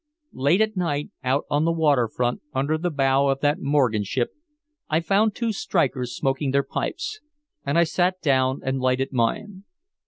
Late at night out on the waterfront, under the bow of that Morgan ship, I found two strikers smoking their pipes, and I sat down and lighted mine.